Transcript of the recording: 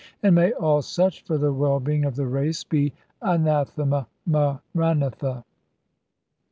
And may all such, for the well being of the race, be anathema maranatha!